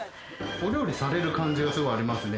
お料理される感じが、すごいありますね。